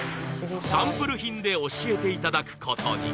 サンプル品で教えていただくことに